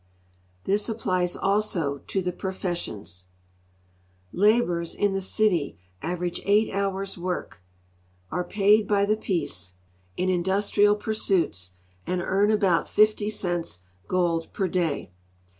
This applies also t<j the i>rofessions. Laborers in the cities average eight hours' work, are paid by the piece S4 GEOGRAPHIC LITERA PURE in industrial pursuits, and earn about 50 cents (gold) per day.